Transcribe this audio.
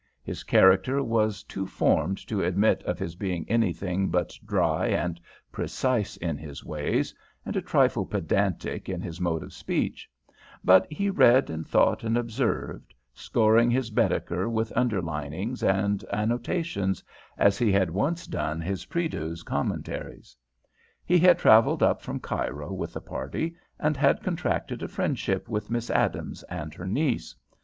His character was too formed to admit of his being anything but dry and precise in his ways, and a trifle pedantic in his mode of speech; but he read and thought and observed, scoring his "Baedeker" with underlinings and annotations as he had once done his "Prideaux's Commentaries." He had travelled up from Cairo with the party, and had contracted a friendship with Miss Adams and her niece.